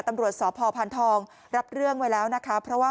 ตำรวจสพทองรับเรื่องไว้แล้วนะคะ